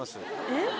えっ？